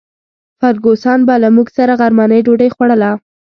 فرګوسن به له موږ سره غرمنۍ ډوډۍ خوړله.